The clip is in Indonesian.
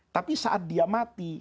tapi saat dia mati